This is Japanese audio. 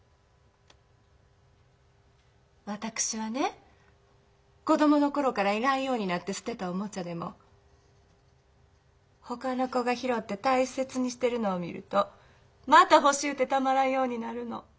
私はね子供の頃から要らんようになって捨てたおもちゃでもほかの子が拾うて大切にしてるのを見るとまた欲しゅうてたまらんようになるの。